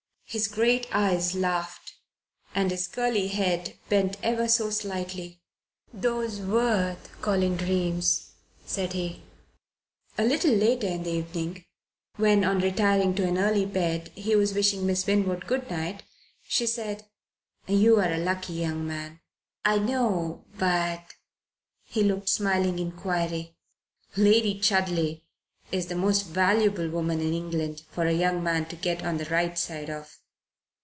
His great eyes laughed and his curly head bent ever so slightly. "Those worth calling dreams," said he. A little later in the evening, when on retiring to an early bed he was wishing Miss Winwood good night, she said, "You're a lucky young man." "I know but " He looked smiling inquiry. "Lady Chudley's the most valuable woman in England for a young man to get on the right side of."